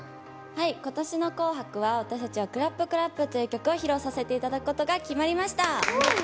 今年の「紅白」は私たちは「ＣＬＡＰＣＬＡＰ」という曲を披露させていただくことが決まりました。